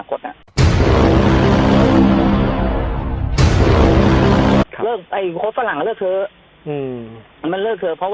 โค้ดฝรั่งมันเริ่มเ฻อ